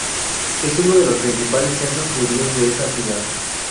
Es uno de los principales centros judíos de esa ciudad.